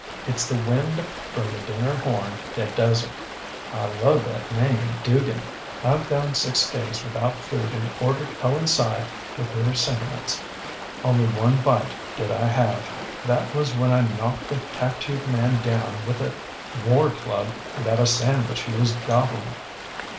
ItŌĆÖs the wind from the dinner horn that does it. I love that Mame Dugan. IŌĆÖve gone six days without food in order to coincide with her sentiments. Only one bite did I have. That was when I knocked the tattooed man down with a war club and got a sandwich he was gobbling.